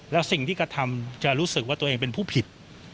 แล้วสิ่งที่กระทำจะรู้สึกว่าตัวเองเป็นผู้ผิด